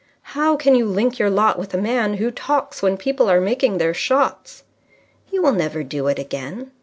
"How can you link your lot with a man who talks when people are making their shots?" "You will never do it again."